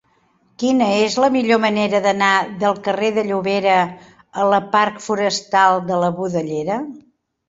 Quina és la millor manera d'anar del carrer de Llobera a la parc Forestal de la Budellera?